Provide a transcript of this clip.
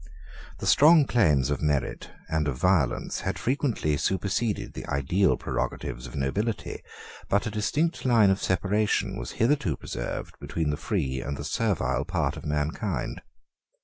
The strong claims of merit and of violence had frequently superseded the ideal prerogatives of nobility; but a distinct line of separation was hitherto preserved between the free and the servile part of mankind.